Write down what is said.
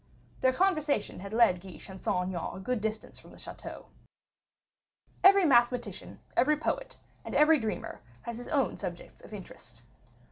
Their conversation had led Guiche and Saint Aignan a good distance from the chateau. Every mathematician, every poet, and every dreamer has his own subjects of interest.